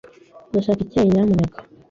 Ndashaka icyayi, nyamuneka.